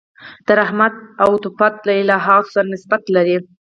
د رحمت او عطوفت له الهیاتو سره نسبت لري.